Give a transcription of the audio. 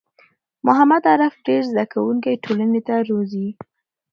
محمد عارف ډېر زده کوونکی ټولنې ته روزلي